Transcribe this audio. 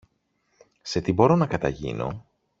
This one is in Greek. Σε τι μπορώ να καταγίνω;